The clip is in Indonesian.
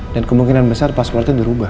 dan kemungkinan besar passwordnya dirubah